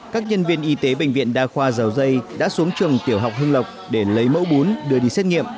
các nhân viên y tế bệnh viện đa khoa dầu dây đã xuống trường tiểu học hưng lộc để lấy mẫu bún đưa đi xét nghiệm